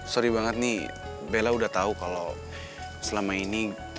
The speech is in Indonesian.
sorry banget nih bella udah tau kalau selama ini